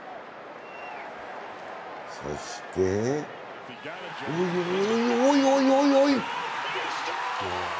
そして、おいおい！